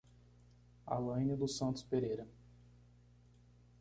Alaine dos Santos Pereira